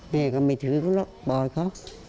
แม่ก็ไม่ถือก็แล้วปล่อยเขา